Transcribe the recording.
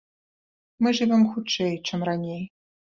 Мы жывём хутчэй, чым раней.